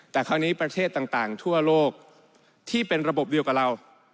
แต่คราวนี้ประเทศต่างทั่วโลกที่เป็นระบบเดียวกับเรา